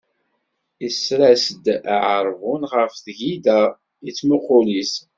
Isers-as-d aɛerbun ɣef tgida, yettmuqul-it.